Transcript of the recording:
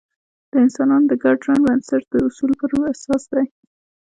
د انسانانو د ګډ ژوند بنسټ د اصولو پر اساس دی.